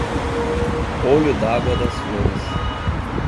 Olho d'Água das Flores